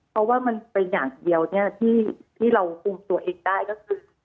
เพราะว่ามันเป็นอย่างเดียวที่เราคุมตัวเองได้ก็คือ